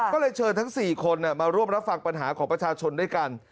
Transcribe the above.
ก็เลยเชิญทั้ง๔คนมาร่วมรับฟังปัญหาของประชาชนด้วยกัน